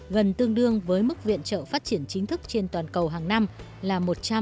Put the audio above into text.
gần tương đương với mức viện trợ phát triển chính thức trên toàn cầu hàng năm là một trăm linh